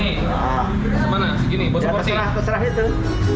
ya itu dulu